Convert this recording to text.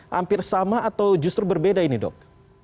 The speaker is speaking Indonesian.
hampir sama atau justru berbeda ini dok